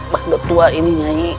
pak duk tua ini nyanyi